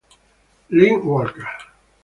Leanne Walker